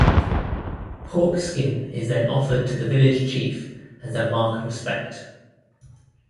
Pork skin is then offered to the village chief as a mark of respect.